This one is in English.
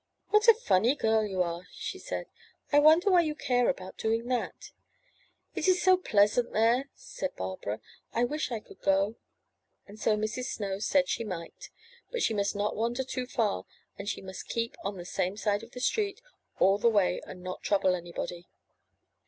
What a funny girl you are, said she. '1 wonder why you care about doing that? It is so pleasant there, said Barbara. '1 wish I could go.*' And so Mrs. Snow said she might, but she must not wander too far, and must keep on the same side of the street all the way and not trouble anybody.